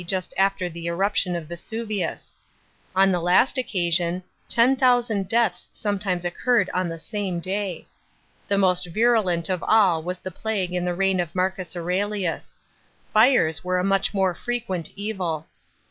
just after the eruption of Vesuvius. On the last occasion, 10/»00 denhs sometimes occu red on the »ame day. The most virul nt of all was the plague in the reign of Marcus Aurelius Fires were a much more frequent evil.